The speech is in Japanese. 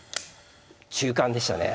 中間でしたね。